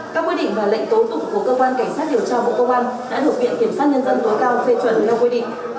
các quyết định và lệnh tố tụng của cơ quan cảnh sát điều tra bộ công an đã được viện kiểm sát nhân dân tối cao phê chuẩn theo quy định